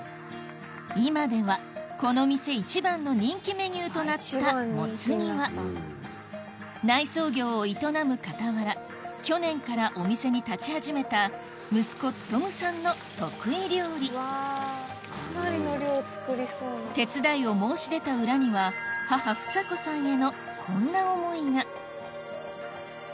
今ではこの店一番の人気メニューとなったもつ煮は内装業を営む傍ら去年からお店に立ち始めた息子勉さんの得意料理手伝いを申し出た裏にはその状態で。